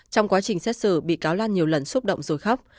trong quá trình xét xử bị cáo lan nhiều lần xúc động rồi khóc